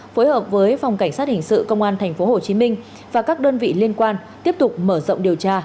phối hợp với phòng cảnh sát hình sự công an tp hcm và các đơn vị liên quan tiếp tục mở rộng điều tra